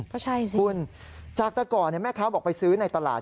ก็ใช่สิคุณจากแต่ก่อนแม่ค้าบอกไปซื้อในตลาด